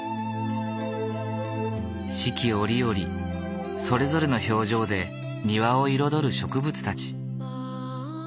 四季折々それぞれの表情で庭を彩る植物たち。